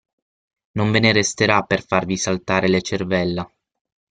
Non ve ne resterà per farvi saltare le cervella.